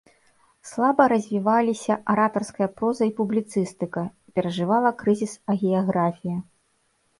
Слаба развіваліся аратарская проза і публіцыстыка, перажывала крызіс агіяграфія.